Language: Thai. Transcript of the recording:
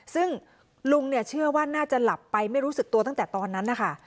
ซึ่งลุงเนี่ยเชื่อว่าน่าจะหลับไปไม่รู้สึกตัวตั้งแต่ตอนนั้นนะคะ